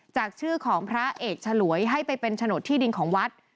จากชื่อของพระเอกฉลวยให้ไปเป็นโฉนดที่ดินของวัด